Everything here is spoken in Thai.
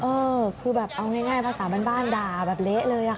เออคือแบบเอาง่ายภาษาบ้านด่าแบบเละเลยค่ะ